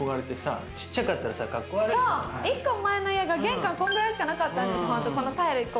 １個前の家が玄関こんくらいしかなかったんです。